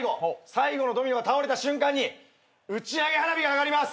最後のドミノが倒れた瞬間に打ち上げ花火が上がります。